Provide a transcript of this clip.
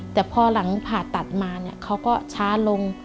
แต่พอหลังผ่าตัดมาเขาก็ช้าลง